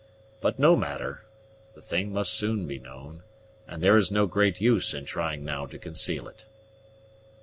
But no matter; the thing must soon be known, and there is no great use in trying now to conceal it.